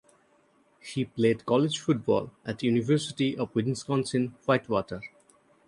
He played college football at University of Wisconsin–Whitewater.